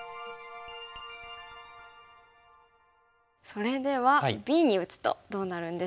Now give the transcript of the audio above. それではＢに打つとどうなるんでしょうか。